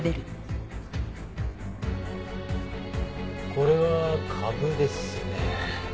これはかぶですね。